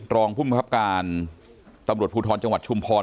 รองภูมิครับการตำรวจภูทรจังหวัดชุมพร